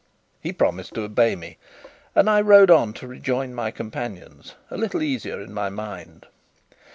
He promised to obey me, and I rode on to rejoin my companions, a little easier in my mind.